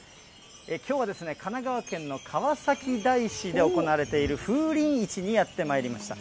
きょうは、神奈川県の川崎大師で行われている、風鈴市にやってまいりました。